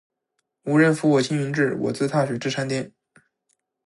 无人扶我青云志，我自踏雪至山巅。